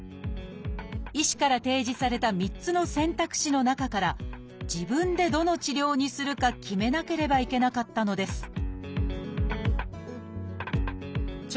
医師から提示された３つの選択肢の中から自分でどの治療にするか決めなければいけなかったのです聴